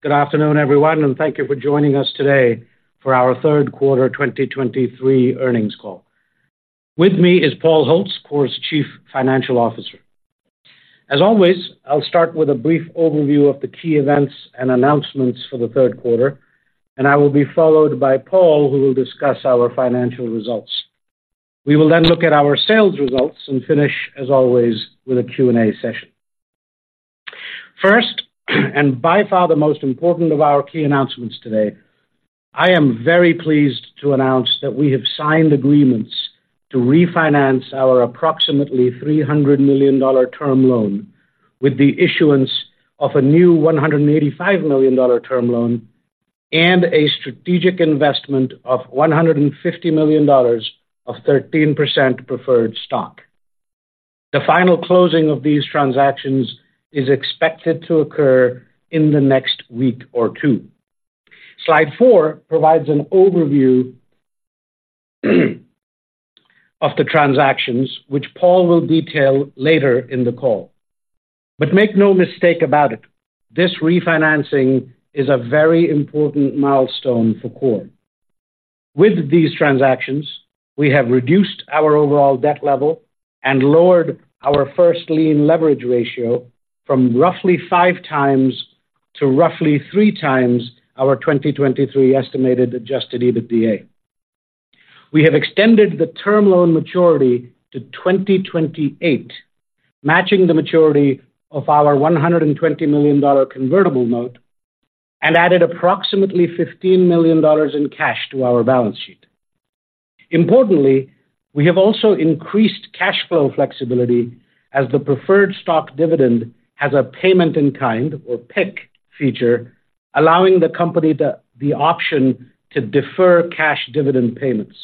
Good afternoon, everyone, and thank you for joining us today for our Third quarter 2023 Earnings Call. With me is Paul Holtz, KORE's Chief Financial Officer. As always, I'll start with a brief overview of the key events and announcements for the third quarter, and I will be followed by Paul, who will discuss our financial results. We will then look at our sales results and finish, as always, with a Q&A session. First, and by far the most important of our key announcements today, I am very pleased to announce that we have signed agreements to refinance our approximately $300 million term loan with the issuance of a new $185 million term loan and a strategic investment of $150 million of 13% preferred stock. The final closing of these transactions is expected to occur in the next week or two. Slide four provides an overview of the transactions, which Paul will detail later in the call. But make no mistake about it, this refinancing is a very important milestone for KORE. With these transactions, we have reduced our overall debt level and lowered our first lien leverage ratio from roughly 5x to roughly 3x our 2023 estimated adjusted EBITDA. We have extended the term loan maturity to 2028, matching the maturity of our $120 million convertible note, and added approximately $15 million in cash to our balance sheet. Importantly, we have also increased cash flow flexibility as the preferred stock dividend has a payment-in-kind, or PIK, feature, allowing the company the option to defer cash dividend payments.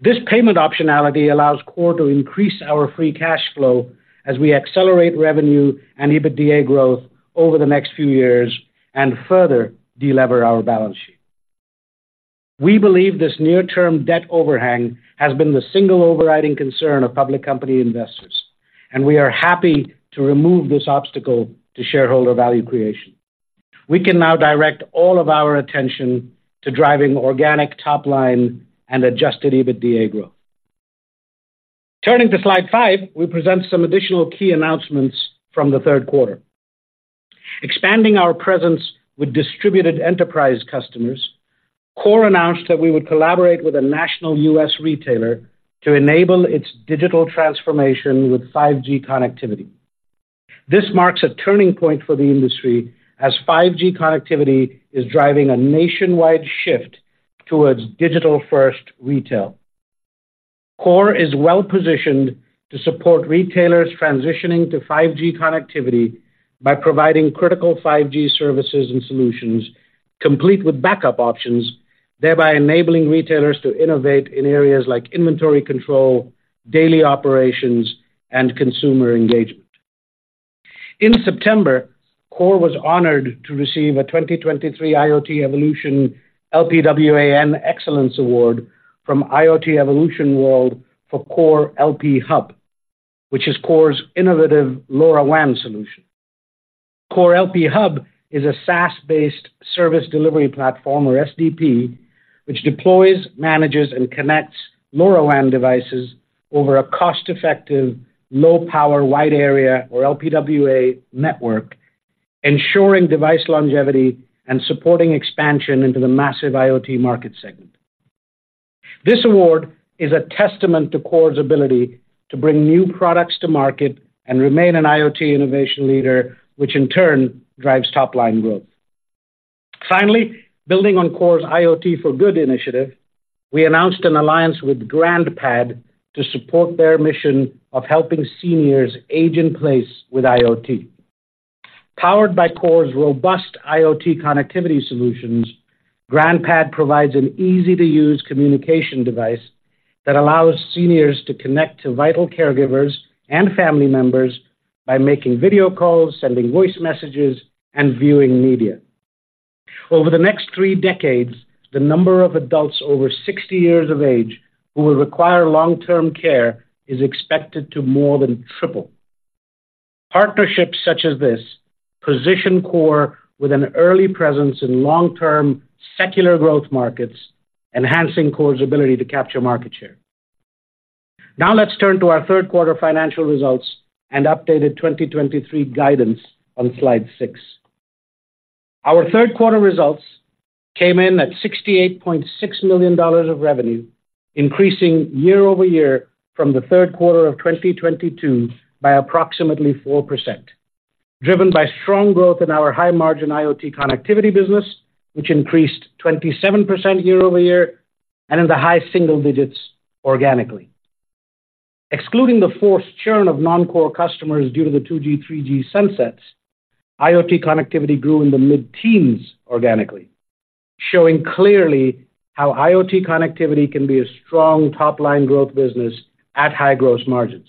This payment optionality allows KORE to increase our free cash flow as we accelerate revenue and EBITDA growth over the next few years and further delever our balance sheet. We believe this near-term debt overhang has been the single overriding concern of public company investors, and we are happy to remove this obstacle to shareholder value creation. We can now direct all of our attention to driving organic top line and Adjusted EBITDA growth. Turning to slide five, we present some additional key announcements from the third quarter. Expanding our presence with distributed enterprise customers, KORE announced that we would collaborate with a national U.S. retailer to enable its digital transformation with 5G connectivity. This marks a turning point for the industry as 5G connectivity is driving a nationwide shift towards digital-first retail. KORE is well-positioned to support retailers transitioning to 5G connectivity by providing critical 5G services and solutions, complete with backup options, thereby enabling retailers to innovate in areas like inventory control, daily operations, and consumer engagement. In September, KORE was honored to receive a 2023 IoT Evolution LPWAN Excellence Award from IoT Evolution World for KORE LPhub, which is KORE's innovative LoRaWAN solution. KORE LPhub is a SaaS-based service delivery platform, or SDP, which deploys, manages, and connects LoRaWAN devices over a cost-effective, low-power wide area, or LPWA, network, ensuring device longevity and supporting expansion into the massive IoT market segment. This award is a testament to KORE's ability to bring new products to market and remain an IoT innovation leader, which in turn drives top-line growth. Finally, building on KORE's IoT for Good initiative, we announced an alliance with GrandPad to support their mission of helping seniors age in place with IoT. Powered by KORE's robust IoT connectivity solutions, GrandPad provides an easy-to-use communication device that allows seniors to connect to vital caregivers and family members by making video calls, sending voice messages, and viewing media. Over the next three decades, the number of adults over 60 years of age who will require long-term care is expected to more than triple. Partnerships such as this position KORE with an early presence in long-term secular growth markets, enhancing KORE's ability to capture market share. Now let's turn to our third quarter financial results and updated 2023 guidance on slide six. Our third quarter results came in at $68.6 million of revenue, increasing year over year from the third quarter of 2022 by approximately 4%, driven by strong growth in our high-margin IoT connectivity business, which increased 27% year over year and in the high single digits organically. Excluding the forced churn of non-core customers due to the 2G, 3G sunsets, IoT connectivity grew in the mid-teens organically, showing clearly how IoT connectivity can be a strong top-line growth business at high gross margins.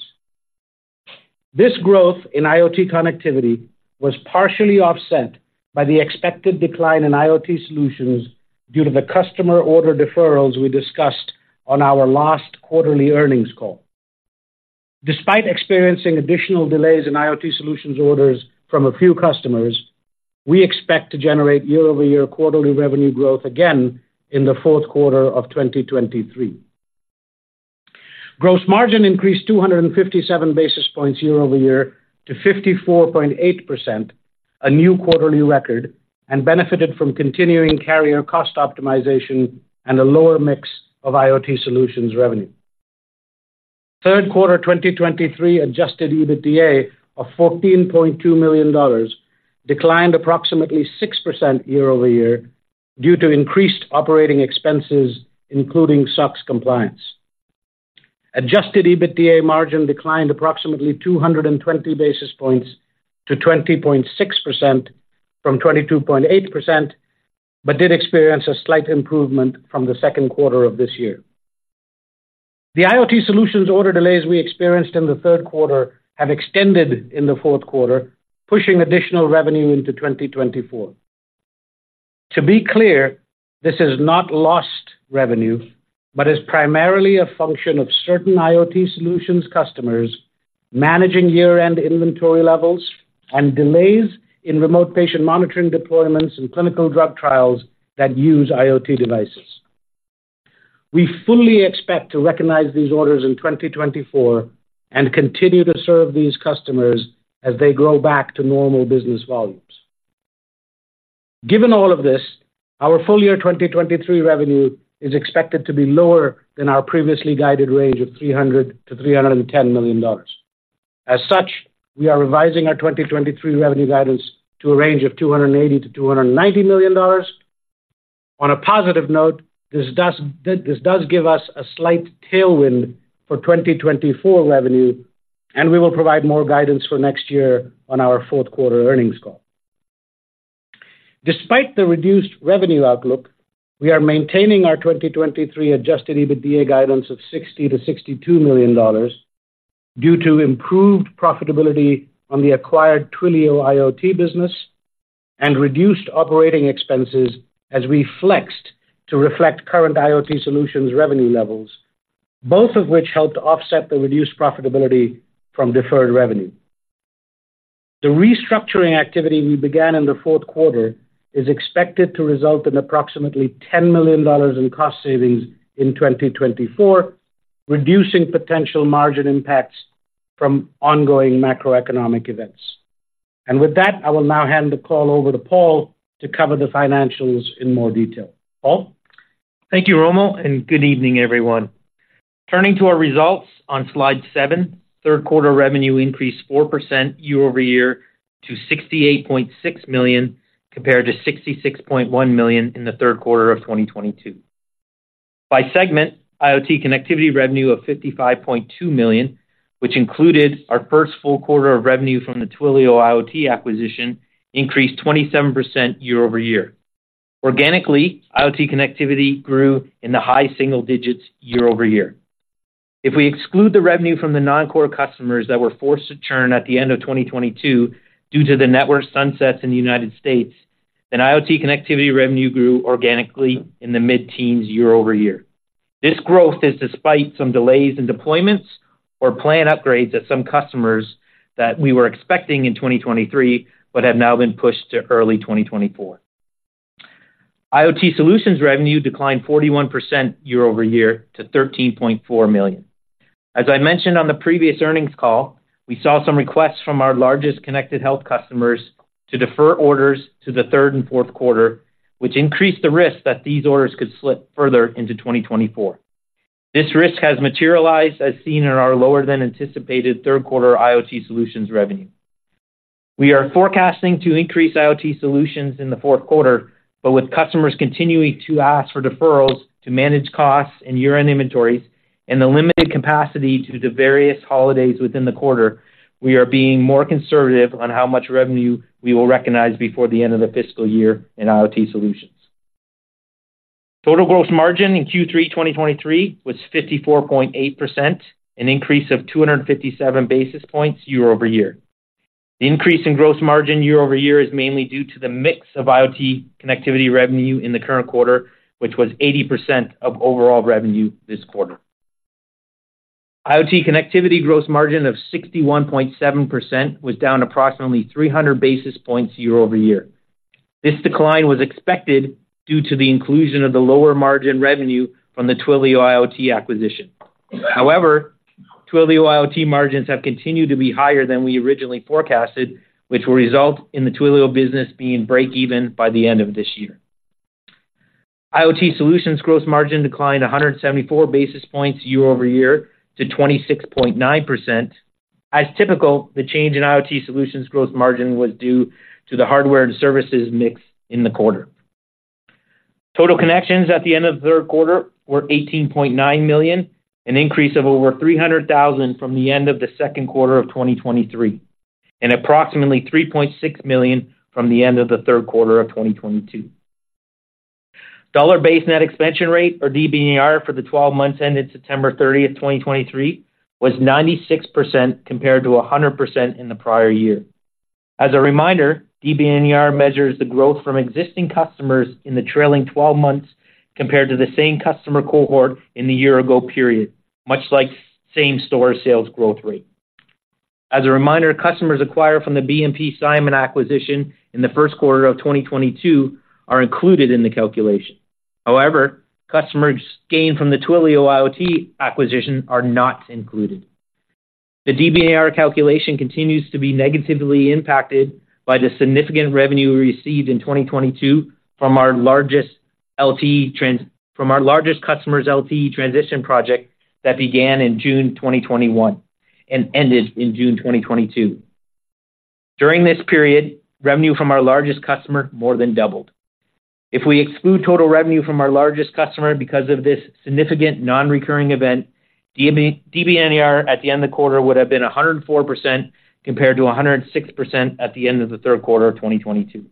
This growth in IoT connectivity was partially offset by the expected decline in IoT solutions due to the customer order deferrals we discussed on our last quarterly earnings call.... Despite experiencing additional delays in IoT solutions orders from a few customers, we expect to generate year-over-year quarterly revenue growth again in the fourth quarter of 2023. Gross margin increased 257 basis points year-over-year to 54.8%, a new quarterly record, and benefited from continuing carrier cost optimization and a lower mix of IoT solutions revenue. Third quarter 2023 Adjusted EBITDA of $14.2 million, declined approximately 6% year-over-year due to increased operating expenses, including SOX compliance. Adjusted EBITDA margin declined approximately 220 basis points to 20.6% from 22.8%, but did experience a slight improvement from the second quarter of this year. The IoT solutions order delays we experienced in the third quarter have extended in the fourth quarter, pushing additional revenue into 2024. To be clear, this is not lost revenue, but is primarily a function of certain IoT solutions customers managing year-end inventory levels and delays in remote patient monitoring deployments and clinical drug trials that use IoT devices. We fully expect to recognize these orders in 2024 and continue to serve these customers as they grow back to normal business volumes. Given all of this, our full year 2023 revenue is expected to be lower than our previously guided range of $300 million-$310 million. As such, we are revising our 2023 revenue guidance to a range of $280 million-$290 million. On a positive note, this does, this does give us a slight tailwind for 2024 revenue, and we will provide more guidance for next year on our fourth quarter earnings call. Despite the reduced revenue outlook, we are maintaining our 2023 Adjusted EBITDA guidance of $60 million-$62 million, due to improved profitability on the acquired Twilio IoT business and reduced operating expenses as we flexed to reflect current IoT solutions revenue levels, both of which helped offset the reduced profitability from deferred revenue. The restructuring activity we began in the fourth quarter is expected to result in approximately $10 million in cost savings in 2024, reducing potential margin impacts from ongoing macroeconomic events. And with that, I will now hand the call over to Paul to cover the financials in more detail. Paul? Thank you, Romil, and good evening, everyone. Turning to our results on slide seven, third quarter revenue increased 4% year-over-year to $68.6 million, compared to $66.1 million in the third quarter of 2022. By segment, IoT connectivity revenue of $55.2 million, which included our first full quarter of revenue from the Twilio IoT acquisition, increased 27% year-over-year. Organically, IoT connectivity grew in the high single digits year-over-year. If we exclude the revenue from the non-core customers that were forced to churn at the end of 2022 due to the network sunsets in the United States, then IoT connectivity revenue grew organically in the mid-teens year-over-year. This growth is despite some delays in deployments or plan upgrades at some customers that we were expecting in 2023, but have now been pushed to early 2024. IoT solutions revenue declined 41% year-over-year to $13.4 million. As I mentioned on the previous earnings call, we saw some requests from our largest connected health customers to defer orders to the third and fourth quarter, which increased the risk that these orders could slip further into 2024. This risk has materialized, as seen in our lower than anticipated third quarter IoT solutions revenue. We are forecasting to increase IoT solutions in the fourth quarter, but with customers continuing to ask for deferrals to manage costs and year-end inventories and the limited capacity due to various holidays within the quarter, we are being more conservative on how much revenue we will recognize before the end of the fiscal year in IoT solutions. Total gross margin in Q3 2023 was 54.8%, an increase of 257 basis points year-over-year. The increase in gross margin year-over-year is mainly due to the mix of IoT connectivity revenue in the current quarter, which was 80% of overall revenue this quarter. IoT connectivity gross margin of 61.7% was down approximately 300 basis points year-over-year. This decline was expected due to the inclusion of the lower margin revenue from the Twilio IoT acquisition. However, Twilio IoT margins have continued to be higher than we originally forecasted, which will result in the Twilio business being break even by the end of this year. IoT solutions gross margin declined 174 basis points year over year to 26.9%. As typical, the change in IoT solutions gross margin was due to the hardware and services mix in the quarter. Total connections at the end of the third quarter were 18.9 million, an increase of over 300,000 from the end of the second quarter of 2023, and approximately 3.6 million from the end of the third quarter of 2022. Dollar-based net expansion rate, or DBNER, for the twelve months ended September 30, 2023, was 96%, compared to 100% in the prior year. As a reminder, DBNER measures the growth from existing customers in the trailing twelve months compared to the same customer cohort in the year ago period, much like same-store sales growth rate. As a reminder, customers acquired from the Simon acquisition in the first quarter of 2022 are included in the calculation. However, customers gained from the Twilio IoT acquisition are not included. The DBNER calculation continues to be negatively impacted by the significant revenue received in 2022 from our largest customer's LTE transition project that began in June 2021 and ended in June 2022. During this period, revenue from our largest customer more than doubled. If we exclude total revenue from our largest customer because of this significant non-recurring event, DBNER at the end of the quarter would have been 104%, compared to 106% at the end of the third quarter of 2022.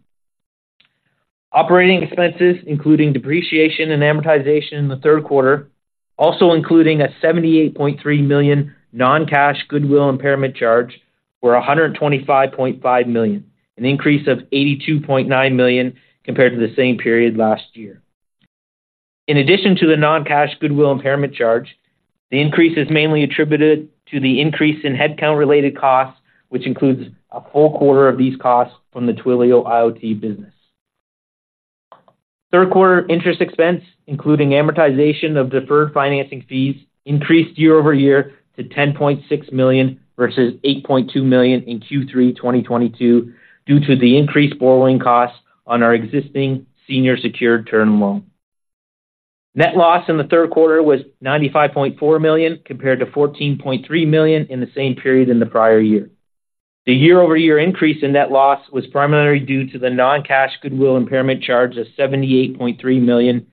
Operating expenses, including depreciation and amortization in the third quarter, also including a $78.3 million non-cash goodwill impairment charge, were $125.5 million, an increase of $82.9 million compared to the same period last year. In addition to the non-cash goodwill impairment charge, the increase is mainly attributed to the increase in headcount-related costs, which includes a full quarter of these costs from the Twilio IoT business. Third quarter interest expense, including amortization of deferred financing fees, increased year-over-year to $10.6 million versus $8.2 million in Q3 2022, due to the increased borrowing costs on our existing senior secured term loan. Net loss in the third quarter was $95.4 million, compared to $14.3 million in the same period in the prior year. The year-over-year increase in net loss was primarily due to the non-cash goodwill impairment charge of $78.3 million,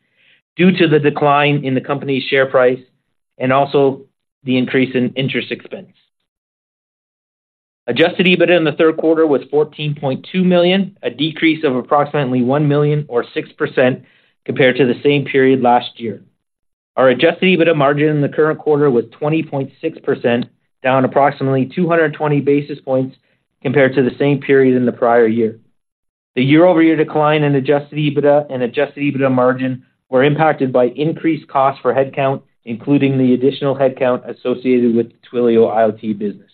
due to the decline in the company's share price and also the increase in interest expense. Adjusted EBITDA in the third quarter was $14.2 million, a decrease of approximately $1 million or 6% compared to the same period last year. Our adjusted EBITDA margin in the current quarter was 20.6%, down approximately 220 basis points compared to the same period in the prior year. The year-over-year decline in adjusted EBITDA and adjusted EBITDA margin were impacted by increased costs for headcount, including the additional headcount associated with the Twilio IoT business.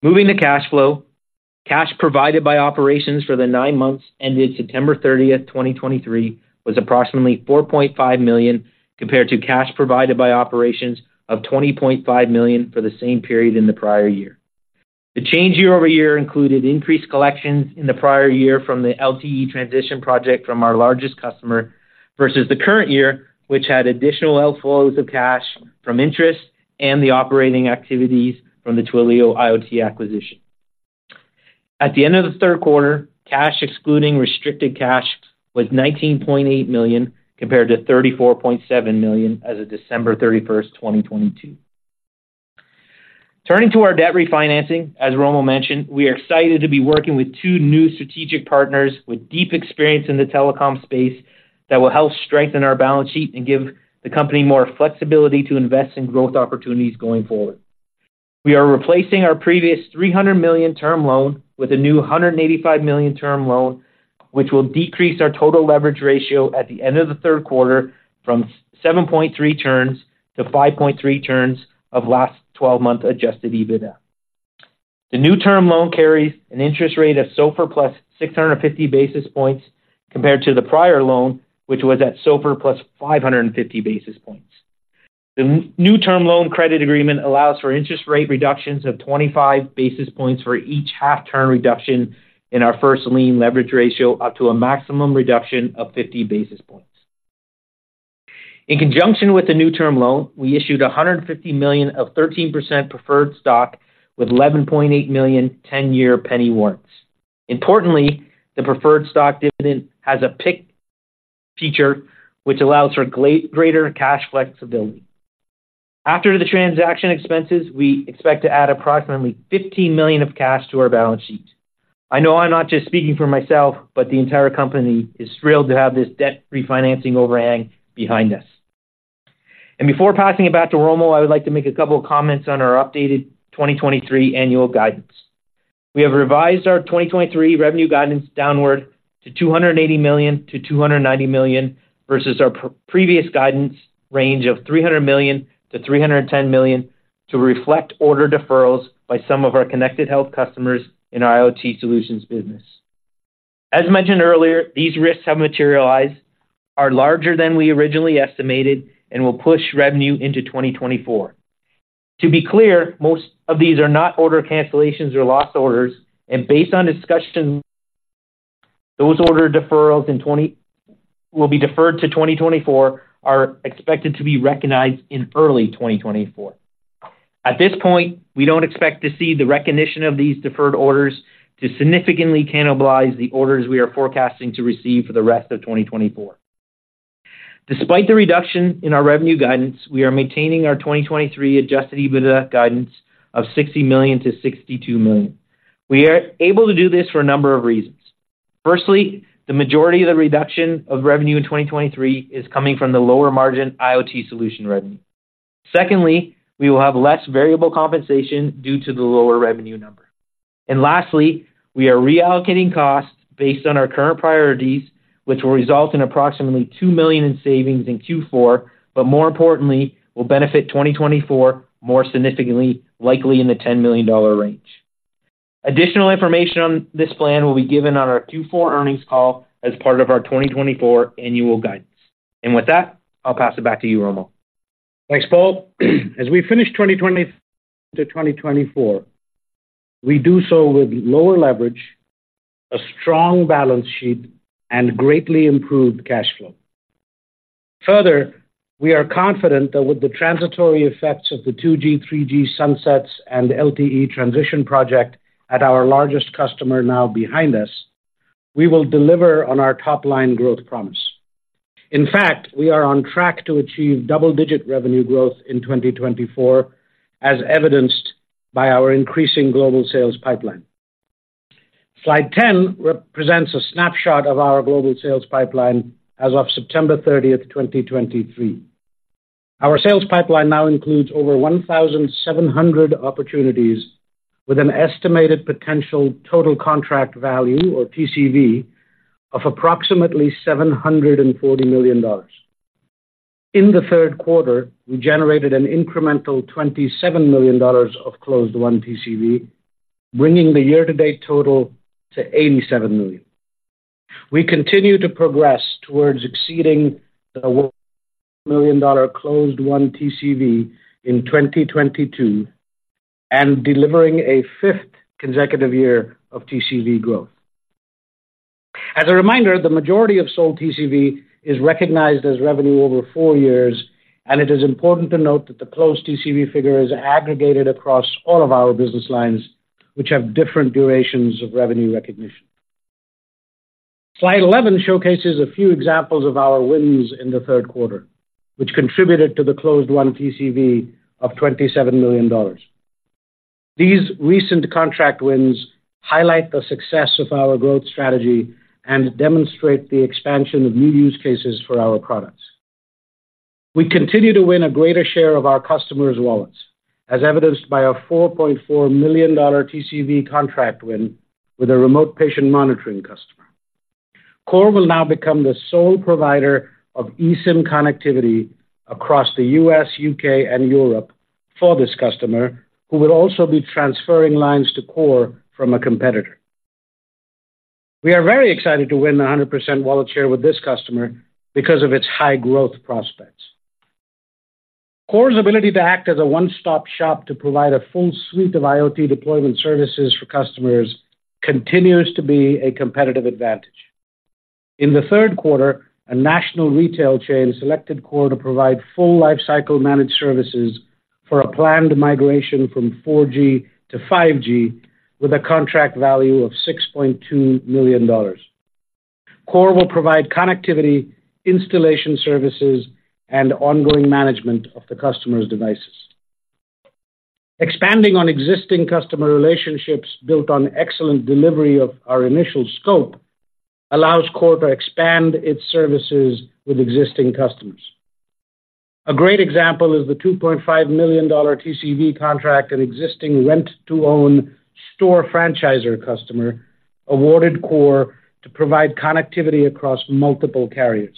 Moving to cash flow. Cash provided by operations for the nine months ended September 30, 2023, was approximately $4.5 million, compared to cash provided by operations of $20.5 million for the same period in the prior year. The change year-over-year included increased collections in the prior year from the LTE transition project from our largest customer, versus the current year, which had additional outflows of cash from interest and the operating activities from the Twilio IoT acquisition. At the end of the third quarter, cash excluding restricted cash was $19.8 million, compared to $34.7 million as of December 31, 2022. Turning to our debt refinancing, as Romil mentioned, we are excited to be working with two new strategic partners with deep experience in the telecom space that will help strengthen our balance sheet and give the company more flexibility to invest in growth opportunities going forward. We are replacing our previous $300 million term loan with a new $185 million term loan, which will decrease our total leverage ratio at the end of the third quarter from 7.3 turns to 5.3 turns of last twelve-month Adjusted EBITDA. The new term loan carries an interest rate of SOFR plus 650 basis points compared to the prior loan, which was at SOFR plus 550 basis points. The new term loan credit agreement allows for interest rate reductions of 25 basis points for each half-term reduction in our first lien leverage ratio, up to a maximum reduction of 50 basis points. In conjunction with the new term loan, we issued $150 million of 13% preferred stock with 11.8 million 10-year penny warrants. Importantly, the preferred stock dividend has a PIK feature, which allows for greater cash flexibility. After the transaction expenses, we expect to add approximately $15 million of cash to our balance sheet. I know I'm not just speaking for myself, but the entire company is thrilled to have this debt refinancing overhang behind us. Before passing it back to Romil, I would like to make a couple of comments on our updated 2023 annual guidance. We have revised our 2023 revenue guidance downward to $280 million-$290 million, versus our previous guidance range of $300 million-$310 million, to reflect order deferrals by some of our connected health customers in our IoT solutions business. As mentioned earlier, these risks have materialized, are larger than we originally estimated, and will push revenue into 2024. To be clear, most of these are not order cancellations or lost orders, and based on discussion, those order deferrals in 2023 will be deferred to 2024, are expected to be recognized in early 2024. At this point, we don't expect to see the recognition of these deferred orders to significantly cannibalize the orders we are forecasting to receive for the rest of 2024. Despite the reduction in our revenue guidance, we are maintaining our 2023 Adjusted EBITDA guidance of $60 million-$62 million. We are able to do this for a number of reasons. Firstly, the majority of the reduction of revenue in 2023 is coming from the lower margin IoT solution revenue.... Secondly, we will have less variable compensation due to the lower revenue number. And lastly, we are reallocating costs based on our current priorities, which will result in approximately $2 million in savings in Q4, but more importantly, will benefit 2024 more significantly, likely in the $10 million range. Additional information on this plan will be given on our Q4 earnings call as part of our 2024 annual guidance. With that, I'll pass it back to you, Romil. Thanks, Paul. As we finish 2020 to 2024, we do so with lower leverage, a strong balance sheet, and greatly improved cash flow. Further, we are confident that with the transitory effects of the 2G, 3G sunsets and LTE transition project at our largest customer now behind us, we will deliver on our top-line growth promise. In fact, we are on track to achieve double-digit revenue growth in 2024, as evidenced by our increasing global sales pipeline. Slide 10 represents a snapshot of our global sales pipeline as of September 30, 2023. Our sales pipeline now includes over 1,700 opportunities, with an estimated potential total contract value, or TCV, of approximately $740 million. In the third quarter, we generated an incremental $27 million of closed-won TCV, bringing the year-to-date total to $87 million. We continue to progress towards exceeding the $1 million closed-won TCV in 2022 and delivering a fifth consecutive year of TCV growth. As a reminder, the majority of sold TCV is recognized as revenue over four years, and it is important to note that the closed TCV figure is aggregated across all of our business lines, which have different durations of revenue recognition. Slide 11 showcases a few examples of our wins in the third quarter, which contributed to the closed-won TCV of $27 million. These recent contract wins highlight the success of our growth strategy and demonstrate the expansion of new use cases for our products. We continue to win a greater share of our customers' wallets, as evidenced by our $4.4 million TCV contract win with a remote patient monitoring customer. KORE will now become the sole provider of eSIM connectivity across the U.S., U.K., and Europe for this customer, who will also be transferring lines to KORE from a competitor. We are very excited to win 100% wallet share with this customer because of its high growth prospects. KORE's ability to act as a one-stop shop to provide a full suite of IoT deployment services for customers continues to be a competitive advantage. In the third quarter, a national retail chain selected KORE to provide full lifecycle managed services for a planned migration from 4G to 5G, with a contract value of $6.2 million. KORE will provide connectivity, installation services, and ongoing management of the customer's devices. Expanding on existing customer relationships built on excellent delivery of our initial scope allows KORE to expand its services with existing customers. A great example is the $2.5 million TCV contract and existing rent-to-own store franchisor customer, awarded KORE to provide connectivity across multiple carriers.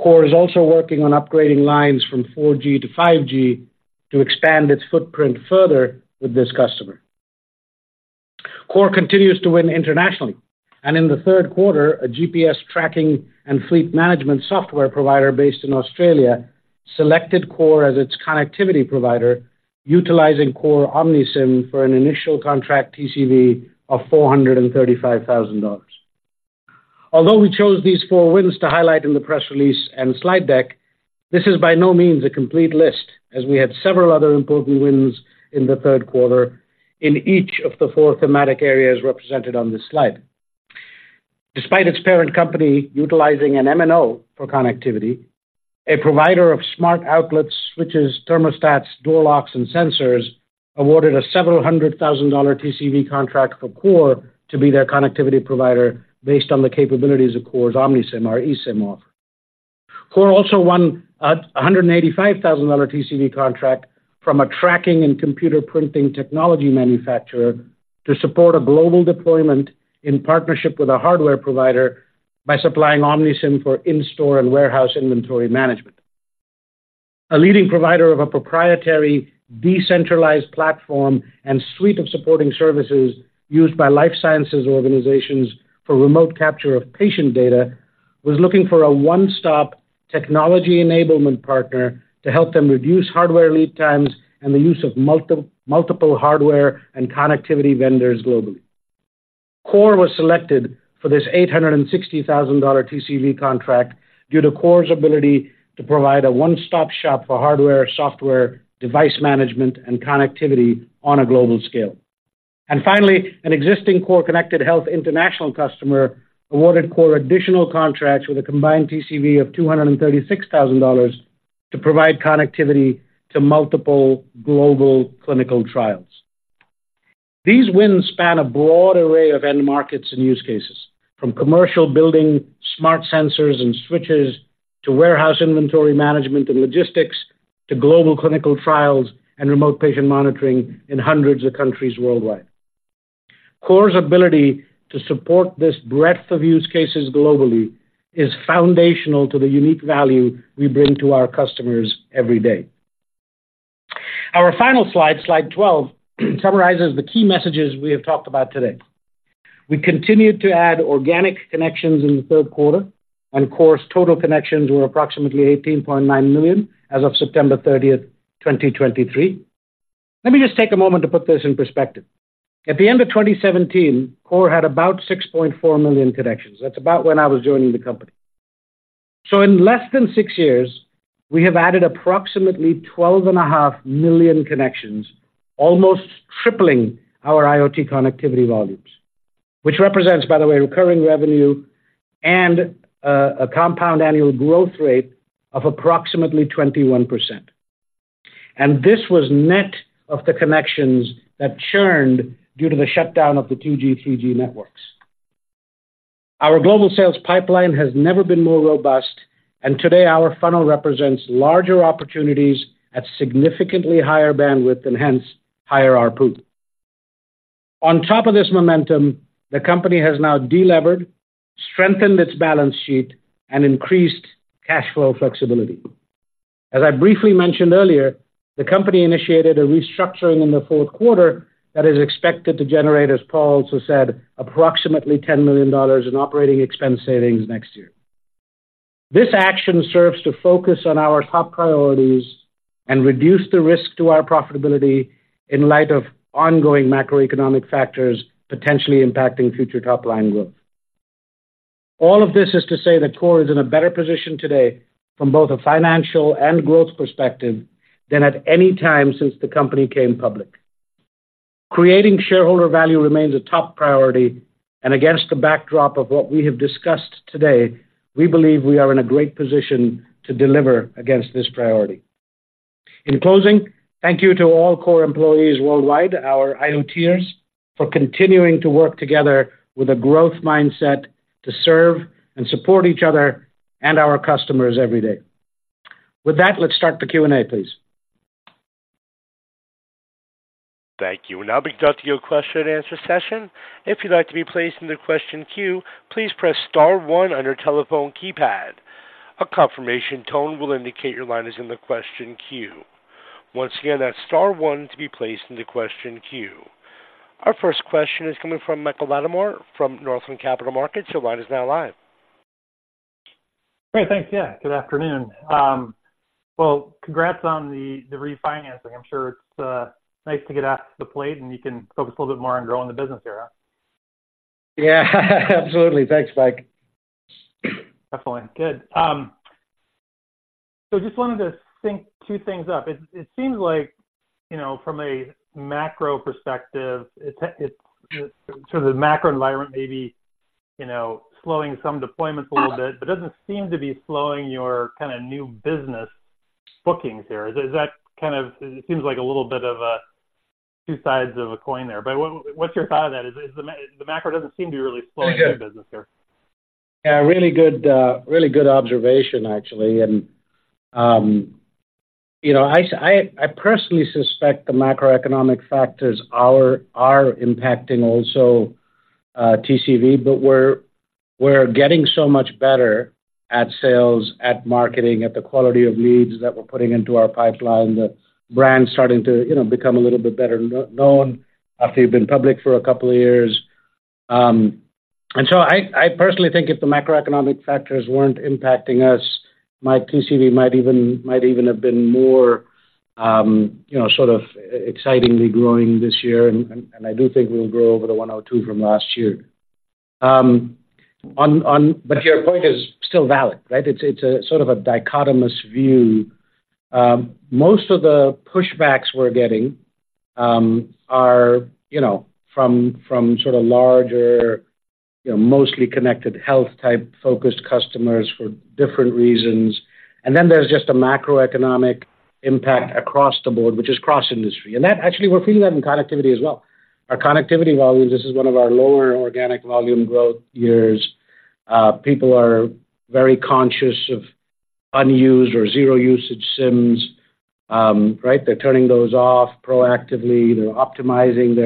KORE is also working on upgrading lines from 4G to 5G to expand its footprint further with this customer. KORE continues to win internationally, and in the third quarter, a GPS tracking and fleet management software provider based in Australia selected KORE as its connectivity provider, utilizing KORE OmniSIM for an initial contract TCV of $435,000. Although we chose these four wins to highlight in the press release and slide deck, this is by no means a complete list, as we had several other important wins in the third quarter in each of the four thematic areas represented on this slide. Despite its parent company utilizing an MNO for connectivity, a provider of smart outlets, switches, thermostats, door locks, and sensors awarded a $700,000 TCV contract for KORE to be their connectivity provider based on the capabilities of KORE's OmniSIM, our eSIM offer. KORE also won a $185,000 TCV contract from a tracking and computer printing technology manufacturer to support a global deployment in partnership with a hardware provider by supplying OmniSIM for in-store and warehouse inventory management. A leading provider of a proprietary decentralized platform and suite of supporting services used by life sciences organizations for remote capture of patient data, was looking for a one-stop technology enablement partner to help them reduce hardware lead times and the use of multiple hardware and connectivity vendors globally. KORE was selected for this $860,000 TCV contract due to KORE's ability to provide a one-stop shop for hardware, software, device management, and connectivity on a global scale. And finally, an existing KORE Connected Health International customer awarded KORE additional contracts with a combined TCV of $236,000 to provide connectivity to multiple global clinical trials. These wins span a broad array of end markets and use cases, from commercial building, smart sensors and switches, to warehouse inventory management and logistics, to global clinical trials and remote patient monitoring in hundreds of countries worldwide. KORE's ability to support this breadth of use cases globally is foundational to the unique value we bring to our customers every day. Our final slide, slide 12, summarizes the key messages we have talked about today. We continued to add organic connections in the third quarter, and KORE's total connections were approximately 18.9 million as of September 30, 2023. Let me just take a moment to put this in perspective. At the end of 2017, KORE had about 6.4 million connections. That's about when I was joining the company. So in less than six years, we have added approximately 12.5 million connections, almost tripling our IoT connectivity volumes, which represents, by the way, recurring revenue and a compound annual growth rate of approximately 21%. And this was net of the connections that churned due to the shutdown of the 2G, 3G networks. Our global sales pipeline has never been more robust, and today our funnel represents larger opportunities at significantly higher bandwidth and hence higher ARPU. On top of this momentum, the company has now delevered, strengthened its balance sheet, and increased cash flow flexibility. As I briefly mentioned earlier, the company initiated a restructuring in the fourth quarter that is expected to generate, as Paul also said, approximately $10 million in operating expense savings next year. This action serves to focus on our top priorities and reduce the risk to our profitability in light of ongoing macroeconomic factors potentially impacting future top-line growth. All of this is to say that KORE is in a better position today from both a financial and growth perspective than at any time since the company came public. Creating shareholder value remains a top priority, and against the backdrop of what we have discussed today, we believe we are in a great position to deliver against this priority. In closing, thank you to all KORE employees worldwide, our IoTers, for continuing to work together with a growth mindset to serve and support each other and our customers every day. With that, let's start the Q&A, please. Thank you. We'll now conduct your question and answer session. If you'd like to be placed in the question queue, please press star one on your telephone keypad. A confirmation tone will indicate your line is in the question queue. Once again, that's star one to be placed in the question queue. Our first question is coming from Michael Latimore, from Northland Capital Markets. Your line is now live. Great, thanks. Yeah, good afternoon. Well, congrats on the refinancing. I'm sure it's nice to get off the plate, and you can focus a little bit more on growing the business here. Yeah, absolutely. Thanks, Mike. Definitely. Good. So just wanted to sync two things up. It seems like, you know, from a macro perspective, it's sort of the macro environment may be, you know, slowing some deployments a little bit, but it doesn't seem to be slowing your kinda new business bookings here. Is that kind of, it seems like a little bit of a two sides of a coin there, but what's your thought of that? Is the macro doesn't seem to be really slowing your business here. Yeah, really good, really good observation, actually. And, you know, I personally suspect the macroeconomic factors are impacting also, TCV, but we're getting so much better at sales, at marketing, at the quality of leads that we're putting into our pipeline. The brand's starting to, you know, become a little bit better known after you've been public for a couple of years. And so I personally think if the macroeconomic factors weren't impacting us, my TCV might even have been more, you know, sort of excitingly growing this year, and I do think we'll grow over the 102 from last year. But your point is still valid, right? It's a sort of a dichotomous view. Most of the pushbacks we're getting are, you know, from sort of larger, you know, mostly connected health type focused customers for different reasons. And then there's just a macroeconomic impact across the board, which is cross-industry. And that actually, we're feeling that in connectivity as well. Our connectivity volumes, this is one of our lower organic volume growth years. People are very conscious of unused or zero usage SIMs. Right? They're turning those off proactively. They're optimizing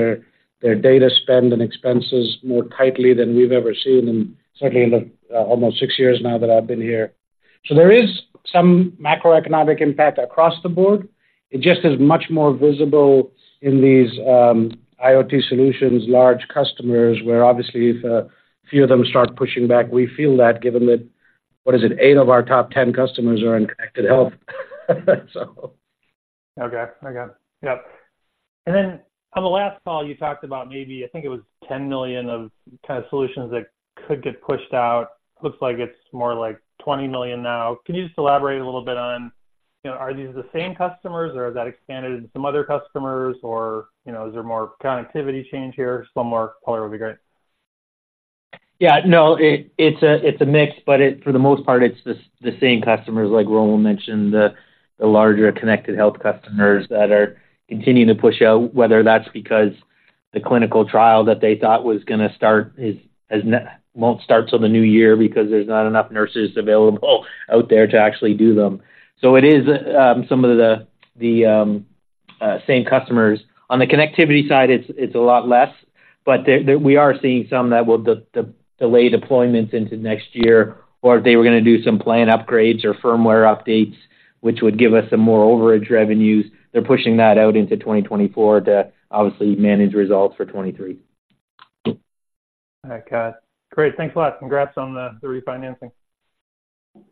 their data spend and expenses more tightly than we've ever seen, and certainly in the almost six years now that I've been here. So there is some macroeconomic impact across the board. It just is much more visible in these IoT solutions, large customers, where obviously, if a few of them start pushing back, we feel that given that, what is it? Eight of our top ten customers are in connected health. So... Okay. I got it. Yep. And then on the last call, you talked about maybe, I think it was $10 million of kind of solutions that could get pushed out. Looks like it's more like $20 million now. Can you just elaborate a little bit on, you know, are these the same customers, or has that expanded into some other customers, or, you know, is there more connectivity change here? Some more color would be great.... Yeah, no, it's a mix, but for the most part, it's the same customers, like Romil mentioned, the larger connected health customers that are continuing to push out, whether that's because the clinical trial that they thought was gonna start won't start till the new year because there's not enough nurses available out there to actually do them. So it is some of the same customers. On the connectivity side, it's a lot less, but there we are seeing some that will delay deployments into next year, or if they were gonna do some plan upgrades or firmware updates, which would give us some more overage revenues, they're pushing that out into 2024 to obviously manage results for 2023. All right, got it. Great. Thanks a lot. Congrats on the refinancing.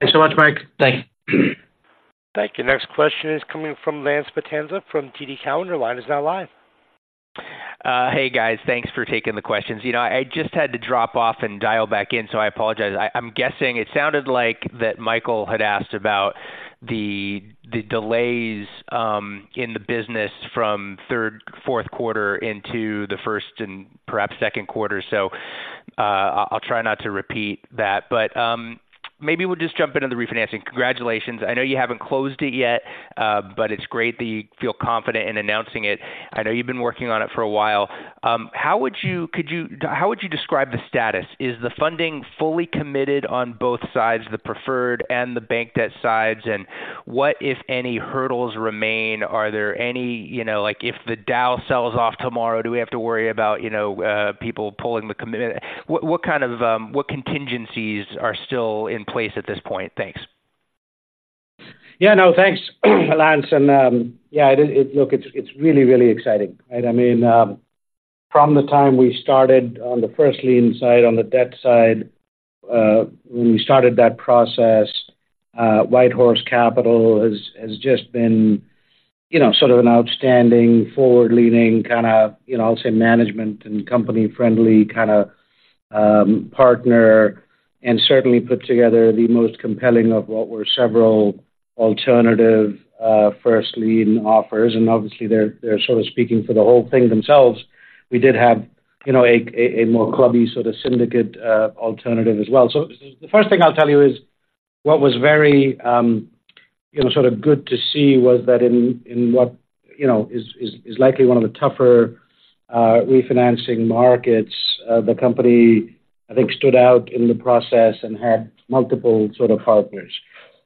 Thanks so much, Mike. Thanks. Thank you. Next question is coming from Lance Vitanza from TD Cowen. Your line is now live. Hey, guys. Thanks for taking the questions. You know, I just had to drop off and dial back in, so I apologize. I'm guessing it sounded like that Michael had asked about the delays in the business from third, fourth quarter into the first and perhaps second quarter. So, I'll try not to repeat that, but maybe we'll just jump into the refinancing. Congratulations. I know you haven't closed it yet, but it's great that you feel confident in announcing it. I know you've been working on it for a while. How would you describe the status? Is the funding fully committed on both sides, the preferred and the bank debt sides? And what, if any, hurdles remain? Are there any, you know, like, if the Dow sells off tomorrow, do we have to worry about, you know, people pulling the commit...? What kind of contingencies are still in place at this point? Thanks. Yeah, no, thanks, Lance. And, yeah, it is, look, it's, it's really, really exciting, right? I mean, from the time we started on the first lien side, on the debt side, when we started that process, WhiteHorse Capital has, has just been, you know, sort of an outstanding, forward-leaning kinda, you know, I'll say, management and company-friendly kinda, partner, and certainly put together the most compelling of what were several alternative, first lien offers. And obviously, they're, they're sort of speaking for the whole thing themselves. We did have, you know, a more clubby sort of syndicate, alternative as well. So the first thing I'll tell you is, what was very, you know, sort of good to see was that in what, you know, is likely one of the tougher refinancing markets, the company, I think, stood out in the process and had multiple sort of partners.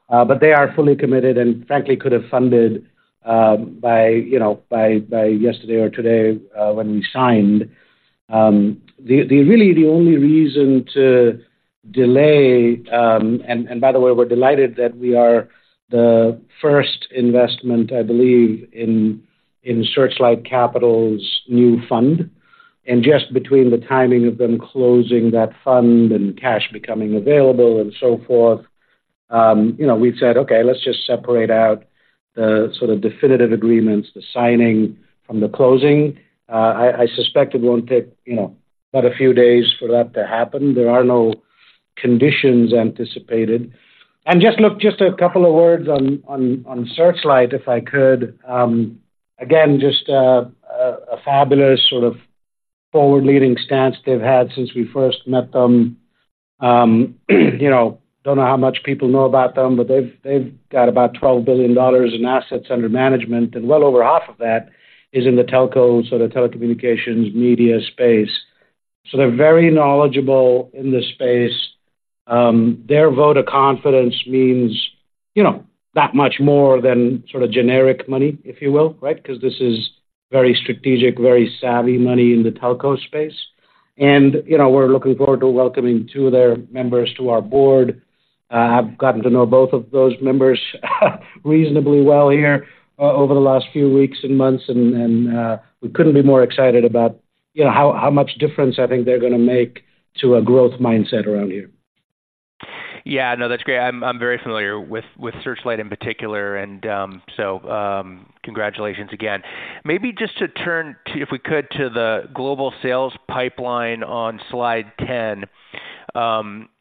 But they are fully committed and, frankly, could have funded, by you know, by yesterday or today, when we signed. Really, the only reason to delay, and by the way, we're delighted that we are the first investment, I believe, in Searchlight Capital's new fund, and just between the timing of them closing that fund and cash becoming available and so forth, you know, we've said, "Okay, let's just separate out the sort of definitive agreements, the signing from the closing." I suspect it won't take, you know, but a few days for that to happen. There are no conditions anticipated. And just look, just a couple of words on Searchlight, if I could. Again, just a fabulous sort of forward-leading stance they've had since we first met them. You know, don't know how much people know about them, but they've got about $12 billion in assets under management, and well over half of that is in the telco, so the telecommunications media space. So they're very knowledgeable in this space. Their vote of confidence means, you know, that much more than sort of generic money, if you will, right? Because this is very strategic, very savvy money in the telco space. And, you know, we're looking forward to welcoming two of their members to our board. I've gotten to know both of those members reasonably well here over the last few weeks and months, and we couldn't be more excited about, you know, how much difference I think they're gonna make to a growth mindset around here. Yeah. No, that's great. I'm very familiar with Searchlight in particular, and so congratulations again. Maybe just to turn to, if we could, to the global sales pipeline on slide 10.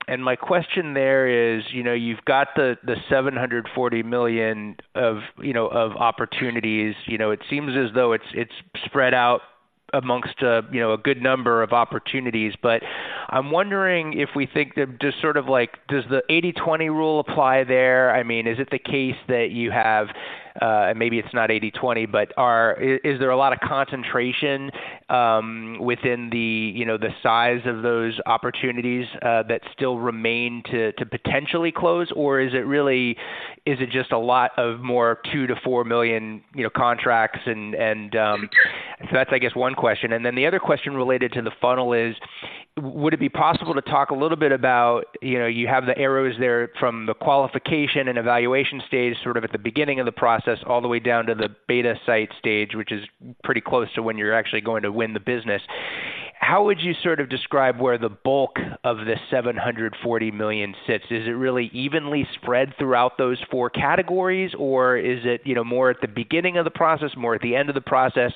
And my question there is, you know, you've got the $740 million of opportunities. You know, it seems as though it's spread out amongst a good number of opportunities, but I'm wondering if we think that just sort of like, does the 80-20 rule apply there? I mean, is it the case that you have, and maybe it's not 80-20, but is there a lot of concentration within the size of those opportunities that still remain to potentially close? Or is it really, is it just a lot of more 2-4 million, you know, contracts and. So that's, I guess, one question. And then the other question related to the funnel is: Would it be possible to talk a little bit about, you know, you have the arrows there from the qualification and evaluation stage, sort of at the beginning of the process, all the way down to the beta site stage, which is pretty close to when you're actually going to win the business. How would you sort of describe where the bulk of the $740 million sits? Is it really evenly spread throughout those four categories, or is it, you know, more at the beginning of the process, more at the end of the process?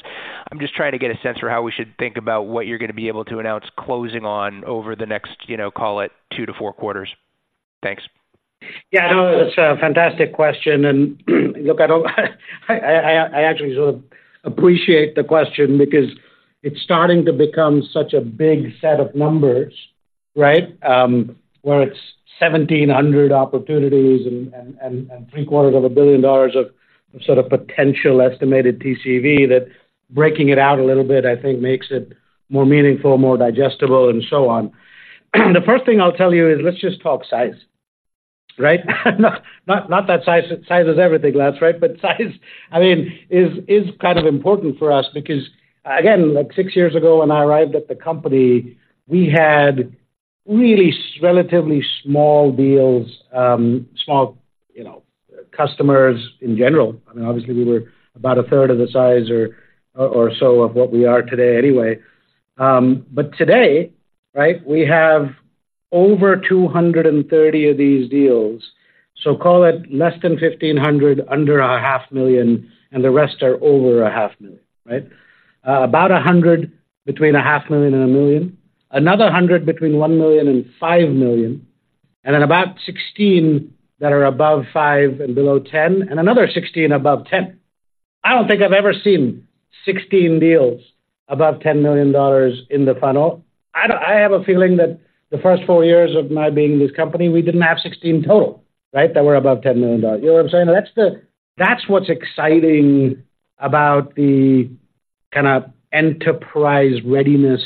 I'm just trying to get a sense for how we should think about what you're gonna be able to announce closing on over the next, you know, call it 2-4 quarters. Thanks. Yeah, no, that's a fantastic question. And look, I don't—I actually sort of appreciate the question because it's starting to become such a big set of numbers, right? Where it's 1,700 opportunities and $750 million of sort of potential estimated TCV, that breaking it out a little bit, I think, makes it more meaningful, more digestible, and so on. The first thing I'll tell you is, let's just talk size, right? Not that size is everything, last, right? But size, I mean, is kind of important for us because, again, like, 6 years ago, when I arrived at the company, we had really relatively small deals, small, you know, customers in general. I mean, obviously, we were about a third of the size or so of what we are today anyway. But today, right, we have over 230 of these deals, so call it less than 1,500 under $500,000, and the rest are over $500,000, right? About 100 between $500,000 and $1 million, another 100 between $1 million and $5 million, and then about 16 that are above 5 and below 10, and another 16 above 10. I don't think I've ever seen 16 deals above $10 million in the funnel. I don't. I have a feeling that the first 4 years of my being in this company, we didn't have 16 total, right, that were above $10 million. You know what I'm saying? That's the. That's what's exciting about the kinda enterprise readiness,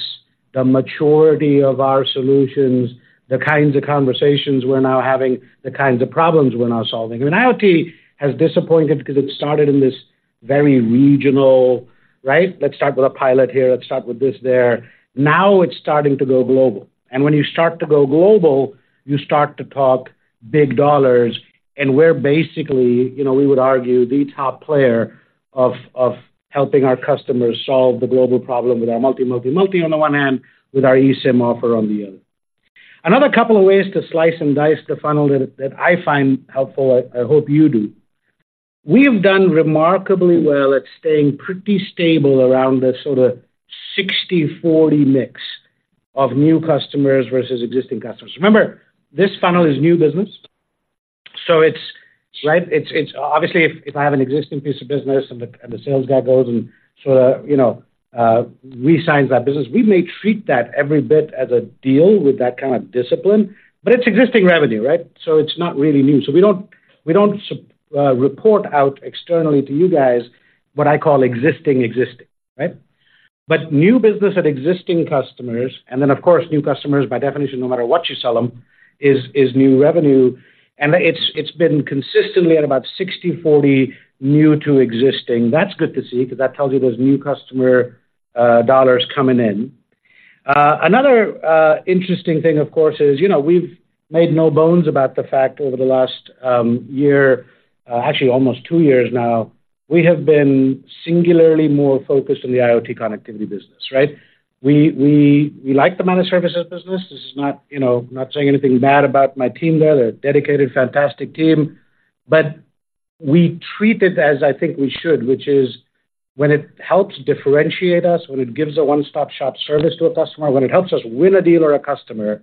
the maturity of our solutions, the kinds of conversations we're now having, the kinds of problems we're now solving. IoT has disappointed because it started in this very regional, right? Let's start with a pilot here, let's start with this there. Now it's starting to go global, and when you start to go global, you start to talk big dollars, and we're basically, you know, we would argue, the top player of helping our customers solve the global problem with our multi, multi, multi, on the one hand, with our eSIM offer on the other. Another couple of ways to slice and dice the funnel that I find helpful, I hope you do. We have done remarkably well at staying pretty stable around the sort of 60/40 mix of new customers versus existing customers. Remember, this funnel is new business, so it's... Right? It's obviously if I have an existing piece of business and the sales guy goes and sort of, you know, re-signs that business, we may treat that every bit as a deal with that kind of discipline, but it's existing revenue, right? So it's not really new. So we don't report out externally to you guys what I call existing, right? But new business at existing customers, and then, of course, new customers, by definition, no matter what you sell them, is new revenue. And it's been consistently at about 60/40, new to existing. That's good to see, 'cause that tells you there's new customer dollars coming in. Another interesting thing, of course, is, you know, we've made no bones about the fact over the last year, actually almost two years now, we have been singularly more focused on the IoT connectivity business, right? We like the managed services business. This is not, you know, not saying anything bad about my team there. They're a dedicated, fantastic team. But we treat it as I think we should, which is when it helps differentiate us, when it gives a one-stop shop service to a customer, when it helps us win a deal or a customer,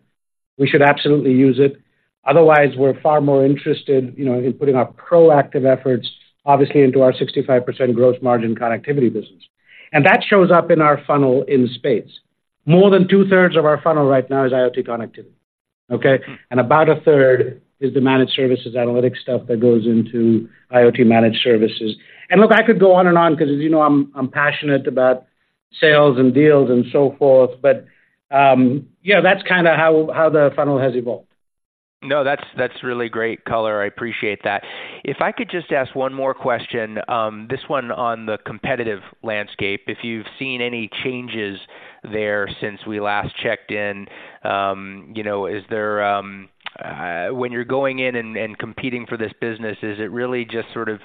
we should absolutely use it. Otherwise, we're far more interested, you know, in putting our proactive efforts, obviously, into our 65% gross margin connectivity business. And that shows up in our funnel in spades. More than two-thirds of our funnel right now is IoT connectivity, okay? About a third is the managed services analytics stuff that goes into IoT managed services. Look, I could go on and on because, as you know, I'm passionate about sales and deals and so forth, but yeah, that's kinda how the funnel has evolved. No, that's, that's really great color. I appreciate that. If I could just ask one more question, this one on the competitive landscape, if you've seen any changes there since we last checked in, you know, is there, when you're going in and competing for this business, is it really just sort of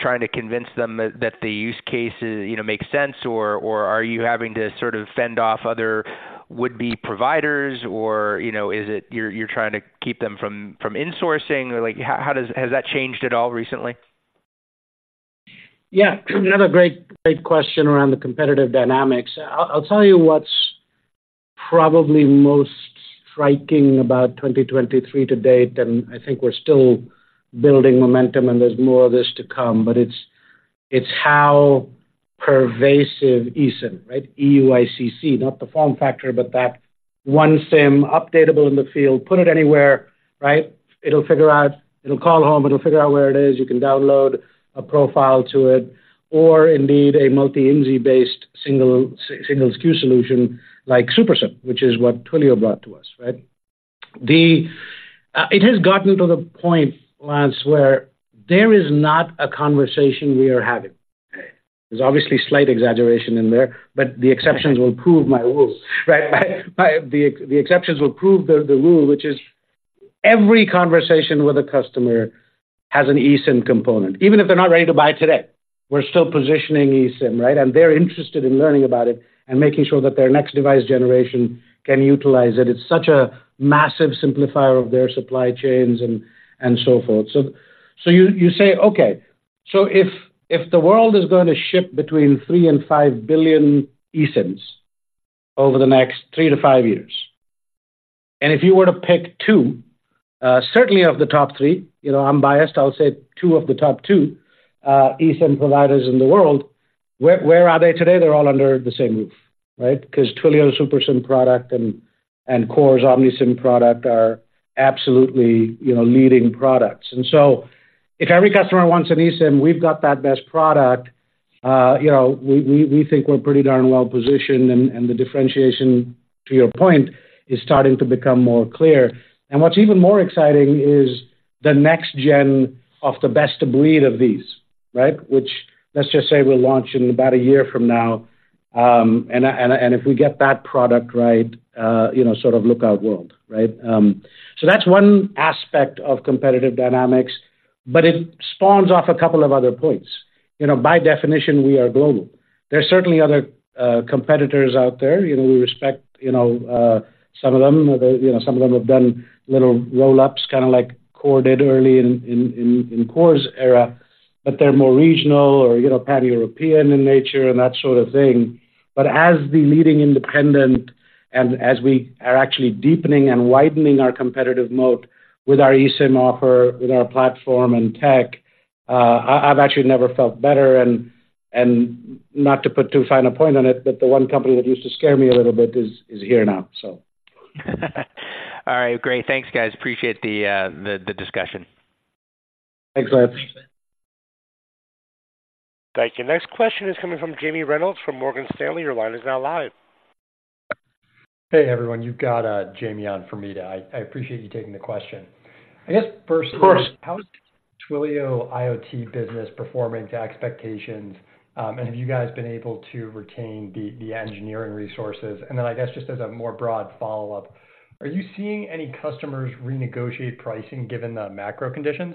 trying to convince them that the use cases, you know, make sense, or are you having to sort of fend off other would-be providers? Or, you know, is it you're trying to keep them from insourcing? Or like, how does, has that changed at all recently? Yeah. Another great, great question around the competitive dynamics. I'll, I'll tell you what's probably most striking about 2023 to date, and I think we're still building momentum, and there's more of this to come, but it's, it's how pervasive eSIM, right? eUICC, not the form factor, but that one SIM, updatable in the field, put it anywhere, right? It'll figure out. It'll call home, it'll figure out where it is. You can download a profile to it, or indeed, a multi-IMSI-based single SKU solution like Super SIM, which is what Twilio brought to us, right? The, it has gotten to the point, Lance, where there is not a conversation we are having. There's obviously slight exaggeration in there, but the exceptions will prove my rule, right? The, the exceptions will prove the, the rule, which is every conversation with a customer has an eSIM component. Even if they're not ready to buy today, we're still positioning eSIM, right? And they're interested in learning about it and making sure that their next device generation can utilize it. It's such a massive simplifier of their supply chains and so forth. So you say, okay, so if the world is going to ship between 3 and 5 billion eSIMs over the next 3 to 5 years. And if you were to pick two, certainly of the top three, you know, I'm biased, I'll say two of the top two, eSIM providers in the world, where are they today? They're all under the same roof, right? Because Twilio Super SIM product and KORE's OmniSIM product are absolutely, you know, leading products. And so if every customer wants an eSIM, we've got that best product, you know, we think we're pretty darn well positioned, and the differentiation, to your point, is starting to become more clear. And what's even more exciting is the next gen of the best of breed of these, right? Which, let's just say, we'll launch in about a year from now. And if we get that product right, you know, sort of look out world, right? So that's one aspect of competitive dynamics, but it spawns off a couple of other points. You know, by definition, we are global. There are certainly other competitors out there, you know, we respect, you know, some of them. You know, some of them have done little roll-ups, kind of like KORE did early in KORE's era, but they're more regional or, you know, pan-European in nature and that sort of thing. But as the leading independent and as we are actually deepening and widening our competitive moat with our eSIM offer, with our platform and tech, I've actually never felt better. And not to put too fine a point on it, but the one company that used to scare me a little bit is here now, so. All right. Great. Thanks, guys. Appreciate the discussion. Thanks, Lance. Thank you. Next question is coming from Jamie Reynolds from Morgan Stanley. Your line is now live. Hey, everyone, you've got Jamie on for Meta today. I appreciate you taking the question. I guess first- Of course. How is Twilio IoT business performing to expectations? And have you guys been able to retain the engineering resources? And then I guess, just as a more broad follow-up, are you seeing any customers renegotiate pricing given the macro conditions?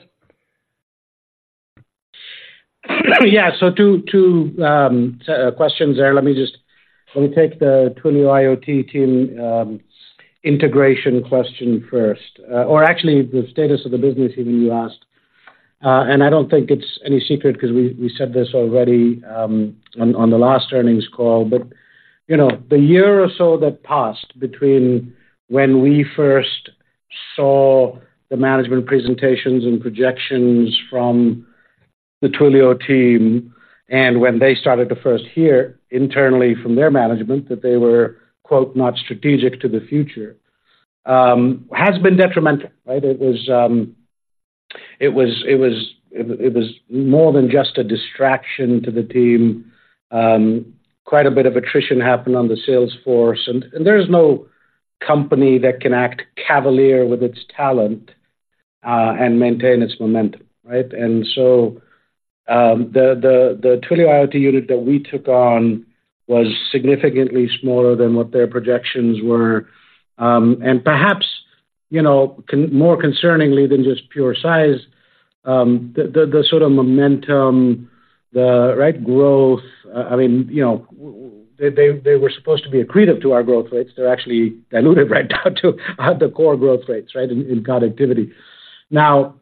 Yeah. So two questions there. Let me take the Twilio IoT team integration question first, or actually the status of the business even you asked. And I don't think it's any secret 'cause we said this already on the last earnings call. But, you know, the year or so that passed between when we first saw the management presentations and projections from the Twilio team and when they started to first hear internally from their management that they were, quote, "Not strategic to the future," has been detrimental, right? It was more than just a distraction to the team. Quite a bit of attrition happened on the sales force, and there is no company that can act cavalier with its talent and maintain its momentum, right? So, the Twilio IoT unit that we took on was significantly smaller than what their projections were. And perhaps, you know, concerningly more than just pure size, the sort of momentum, the right growth, I mean, you know, they were supposed to be accretive to our growth rates. They're actually diluted right down to the core growth rates, right, in connectivity. Now,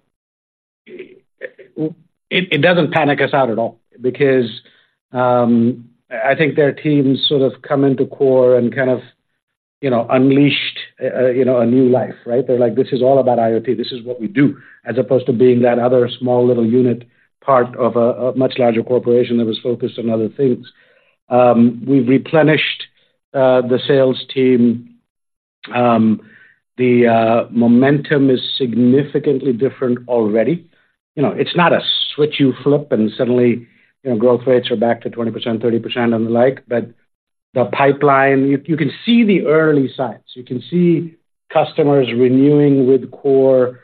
it doesn't panic us out at all because I think their teams sort of come into KORE and kind of, you know, unleashed, you know, a new life, right? They're like, "This is all about IoT. This is what we do," as opposed to being that other small little unit, part of a much larger corporation that was focused on other things. We've replenished the sales team. The momentum is significantly different already. You know, it's not a switch you flip and suddenly, you know, growth rates are back to 20%, 30% and the like, but the pipeline, you can see the early signs. You can see customers renewing with KORE,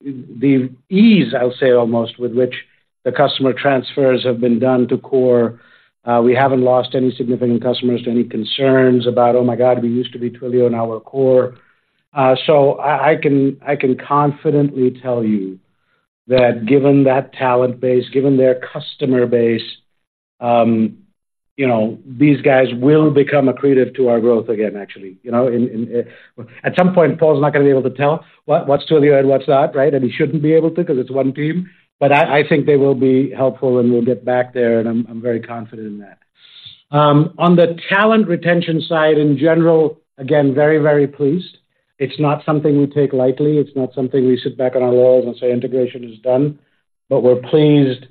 the ease, I'll say, almost with which the customer transfers have been done to KORE. We haven't lost any significant customers to any concerns about, "Oh my God, we used to be Twilio, now we're KORE." So I can confidently tell you that given that talent base, given their customer base, you know, these guys will become accretive to our growth again, actually, you know, in. At some point, Paul's not going to be able to tell what's Twilio and what's not, right? And he shouldn't be able to because it's one team, but I, I think they will be helpful, and we'll get back there, and I'm, I'm very confident in that. On the talent retention side, in general, again, very, very pleased. It's not something we take lightly. It's not something we sit back on our laurels and say integration is done, but we're pleased.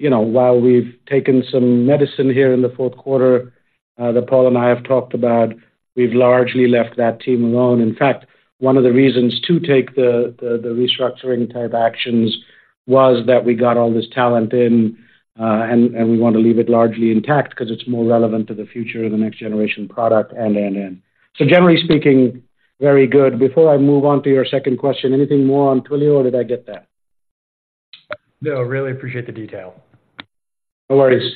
You know, while we've taken some medicine here in the fourth quarter that Paul and I have talked about, we've largely left that team alone. In fact, one of the reasons to take the restructuring type actions was that we got all this talent in, and we want to leave it largely intact because it's more relevant to the future of the next generation product, and. So generally speaking, very good. Before I move on to your second question, anything more on Twilio, or did I get that? No, really appreciate the detail. No worries.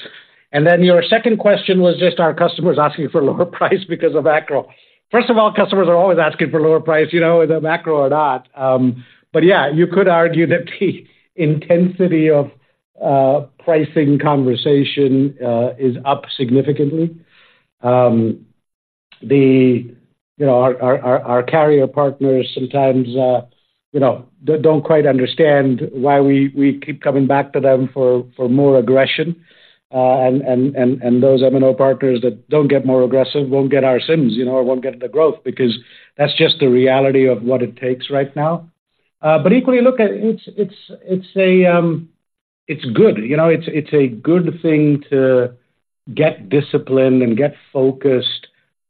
And then your second question was just our customers asking for lower price because of macro. First of all, customers are always asking for lower price, you know, the macro or not. But yeah, you could argue that the intensity of pricing conversation is up significantly. You know, our carrier partners sometimes, you know, don't quite understand why we keep coming back to them for more aggression. And those MNO partners that don't get more aggressive won't get our SIMs, you know, or won't get the growth, because that's just the reality of what it takes right now. But equally, look, it's good. You know, it's a good thing to get disciplined and get focused on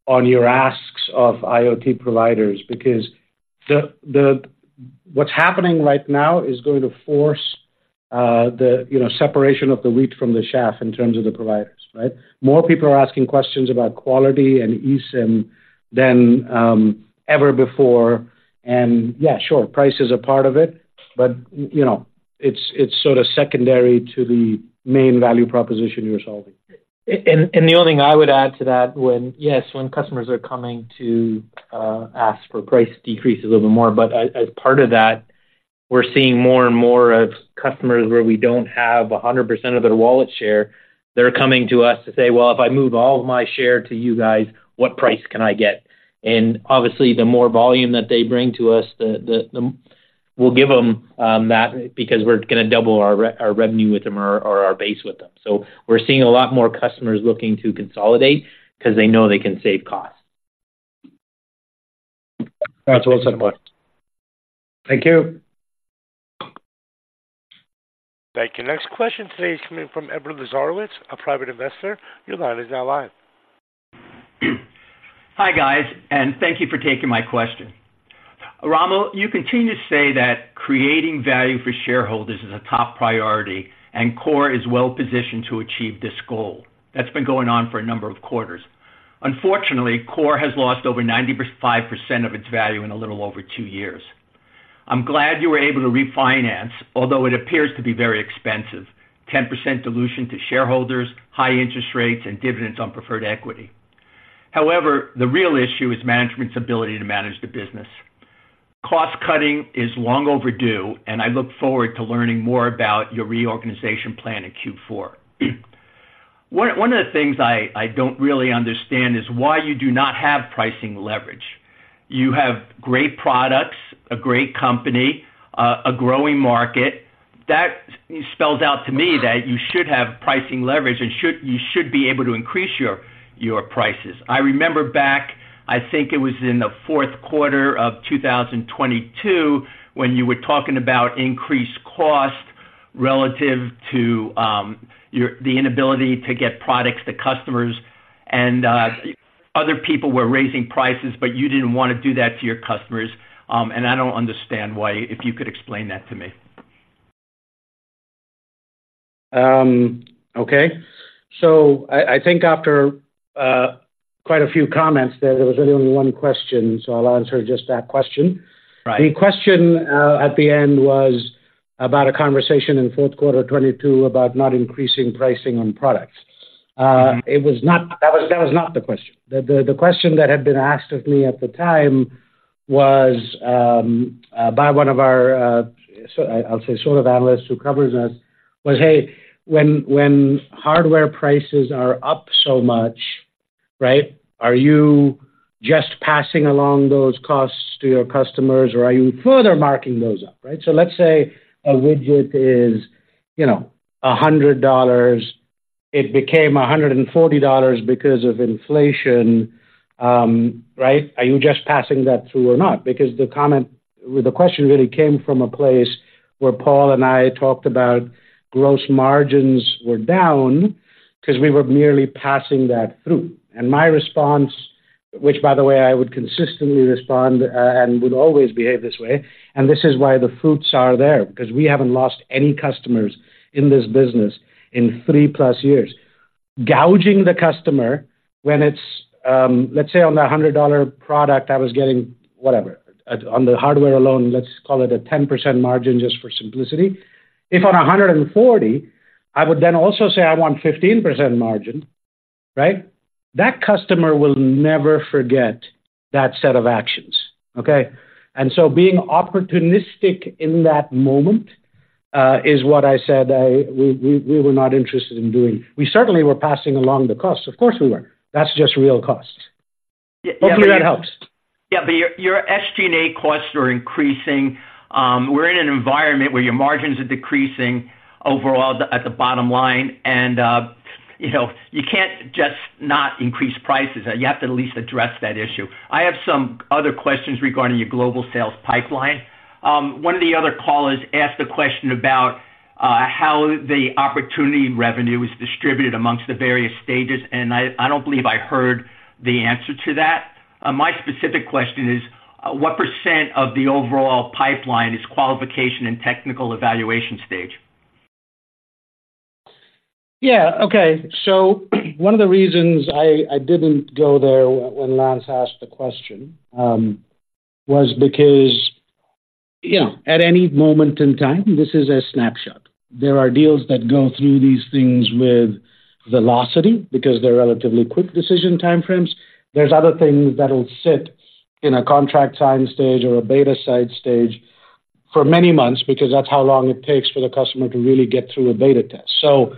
your asks of IoT providers, because what's happening right now is going to force the, you know, separation of the wheat from the chaff in terms of the providers, right? More people are asking questions about quality and eSIM than ever before. And yeah, sure, price is a part of it, but, you know, it's sort of secondary to the main value proposition you're solving. The only thing I would add to that, when customers are coming to ask for price decrease a little bit more, but as part of that, we're seeing more and more of customers where we don't have 100% of their wallet share. They're coming to us to say, "Well, if I move all of my share to you guys, what price can I get?" And obviously, the more volume that they bring to us, we'll give them that because we're gonna double our revenue with them or our base with them. So we're seeing a lot more customers looking to consolidate 'cause they know they can save costs. That's well said, Paul. Thank you. Thank you. Next question today is coming from Edward Lazarowitz, a private investor. Your line is now live. Hi, guys, and thank you for taking my question. Romil, you continue to say that creating value for shareholders is a top priority, and KORE is well positioned to achieve this goal. That's been going on for a number of quarters. Unfortunately, KORE has lost over 95% of its value in a little over two years. I'm glad you were able to refinance, although it appears to be very expensive, 10% dilution to shareholders, high interest rates, and dividends on preferred equity. However, the real issue is management's ability to manage the business. Cost-cutting is long overdue, and I look forward to learning more about your reorganization plan in Q4. One of the things I don't really understand is why you do not have pricing leverage. You have great products, a great company, a growing market. That spells out to me that you should have pricing leverage and should, you should be able to increase your prices. I remember back, I think it was in the fourth quarter of 2022, when you were talking about increased cost relative to your the inability to get products to customers, and other people were raising prices, but you didn't want to do that to your customers. And I don't understand why. If you could explain that to me. Okay. So I think after quite a few comments there, there was only one question, so I'll answer just that question. Right. The question at the end was about a conversation in fourth quarter 2022 about not increasing pricing on products. It was not—that was, that was not the question. The question that had been asked of me at the time was, by one of our, I'll say, sort of analysts who covers us: "Hey, when, when hardware prices are up so much, right, are you just passing along those costs to your customers, or are you further marking those up, right? So let's say a widget is, you know, $100. It became $140 because of inflation, right? Are you just passing that through or not?" Because the comment—the question really came from a place where Paul and I talked about gross margins were down 'cause we were merely passing that through. My response, which, by the way, I would consistently respond, and would always behave this way, and this is why the fruits are there, because we haven't lost any customers in this business in 3+ years. Gouging the customer when it's, let's say on the $100 product, I was getting whatever, on the hardware alone, let's call it a 10% margin just for simplicity. If on a $140, I would then also say I want 15% margin, right? That customer will never forget that set of actions, okay? And so being opportunistic in that moment, is what I said I, we were not interested in doing. We certainly were passing along the cost. Of course, we were. That's just real cost. Hopefully, that helps. Yeah, but your, your SG&A costs are increasing. We're in an environment where your margins are decreasing overall at the bottom line and, you know, you can't just not increase prices. You have to at least address that issue. I have some other questions regarding your global sales pipeline. One of the other callers asked a question about how the opportunity revenue is distributed amongst the various stages, and I don't believe I heard the answer to that. My specific question is, what percent of the overall pipeline is qualification and technical evaluation stage? Yeah, okay. So one of the reasons I didn't go there when Lance asked the question was because, you know, at any moment in time, this is a snapshot. There are deals that go through these things with velocity because they're relatively quick decision time frames. There's other things that will sit in a contract sign stage or a beta site stage for many months, because that's how long it takes for the customer to really get through a beta test. So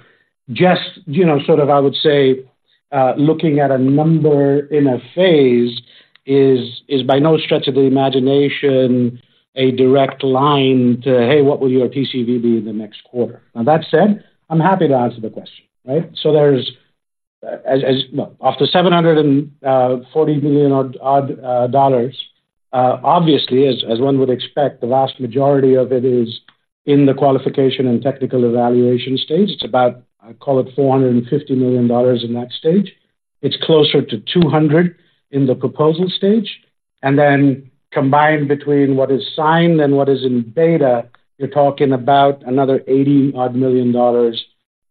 just, you know, sort of, I would say, looking at a number in a phase is by no stretch of the imagination a direct line to, "Hey, what will your TCV be in the next quarter?" Now, that said, I'm happy to answer the question, right? So there's, as, as... No. Of the $740 million odd dollars, obviously, as one would expect, the vast majority of it is in the qualification and technical evaluation stage. It's about, I call it, $450 million in that stage. It's closer to 200 in the proposal stage, and then combined between what is signed and what is in beta, you're talking about another $80 million odd dollars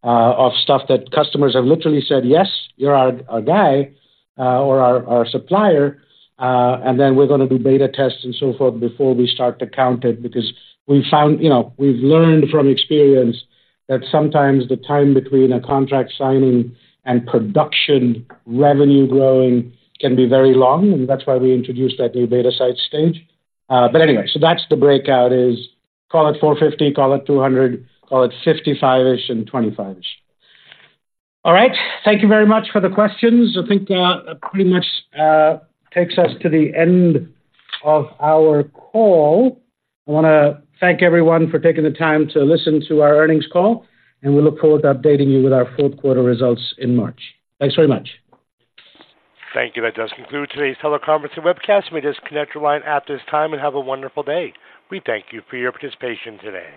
of stuff that customers have literally said, "Yes, you're our guy or our supplier," and then we're gonna do beta tests and so forth before we start to count it, because we found, you know, we've learned from experience that sometimes the time between a contract signing and production revenue growing can be very long, and that's why we introduced that new beta site stage. But anyway, so that's the breakout is, call it $450, call it $200, call it 55-ish and 25-ish. All right. Thank you very much for the questions. I think that pretty much takes us to the end of our call. I wanna thank everyone for taking the time to listen to our earnings call, and we look forward to updating you with our fourth quarter results in March. Thanks very much. Thank you. That does conclude today's teleconference and webcast. You may disconnect your line at this time and have a wonderful day. We thank you for your participation today.